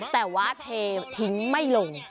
แต่ว่าเททิ้งไม่ลง